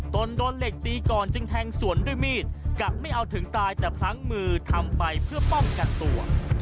โดนเหล็กตีก่อนจึงแทงสวนด้วยมีดกะไม่เอาถึงตายแต่พลั้งมือทำไปเพื่อป้องกันตัว